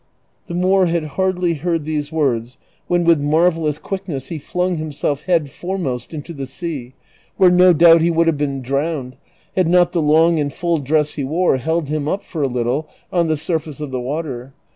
The Moor had haixlly heard these words when with marvellous quickness he flung himself head foremost into the sea, where no doubt he would have been drowned had not the long and full dress he wore held him uj) for a little on the surface of the water.